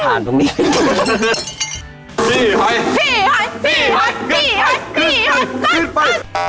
หอยชี้เป้า